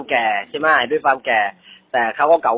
เรื่องที่เขาเปิดรับบริษัทอะไรอย่างนี้